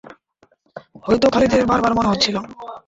হযরত খালিদের বারবার মনে হচ্ছিল।